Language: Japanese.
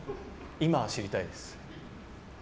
今、知りたいです。